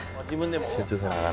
「自分でも？」